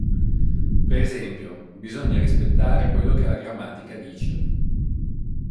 Per esempio: "Bisogna rispettare quello che la grammatica dice.